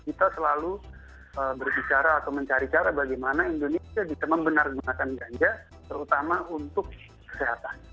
kita selalu berbicara atau mencari cara bagaimana indonesia bisa membenar gunakan ganja terutama untuk kesehatan